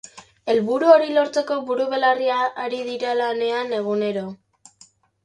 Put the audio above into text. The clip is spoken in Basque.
helburu hori lortzeko buru-belarri ari dira lanean egunero